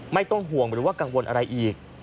ไม่ต้องห่วงหรือว่ากังวลอะไรอีก